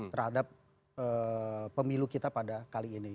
terhadap pemilu kita pada kali ini